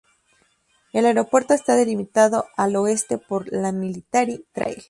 El aeropuerto está delimitado al oeste por la Military Trail.